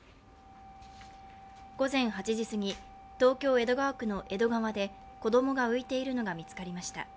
午前８時過ぎ、東京・江戸川区の江戸川で子供が浮いているのが見つかりました。